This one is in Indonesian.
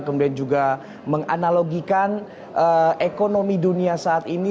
kemudian juga menganalogikan ekonomi dunia saat ini